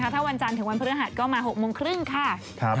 ถ้าวันจันทร์ถึงวันพฤหัสก็มา๖โมงครึ่งค่ะ